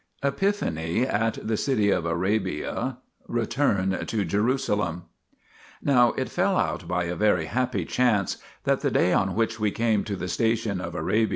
EPIPHANY AT THE CITY OF ARABIA RETURN TO JERUSALEM Now it fell out by a very happy chance that the day on which we came to the station of Arabia was <,'> ar